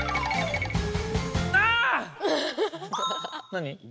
何？